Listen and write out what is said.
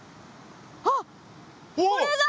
ああこれだ！